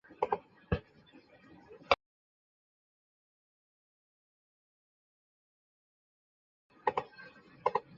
她与同为浙江选手的叶诗文是好友。